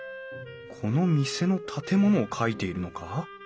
この店の建物を描いているのか？